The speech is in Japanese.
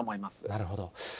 なるほど。